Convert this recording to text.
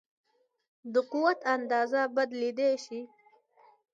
د قوت اندازه بدلېدای شي.